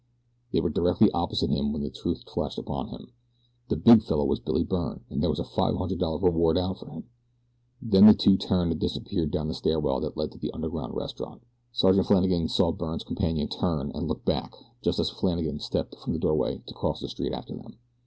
They were directly opposite him when the truth flashed upon him the big fellow was Billy Byrne, and there was a five hundred dollar reward out for him. And then the two turned and disappeared down the stairway that led to the underground restaurant. Sergeant Flannagan saw Byrne's companion turn and look back just as Flannagan stepped from the doorway to cross the street after them.